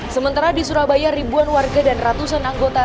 sementara di surabaya ribuan warga dan ratusan anggota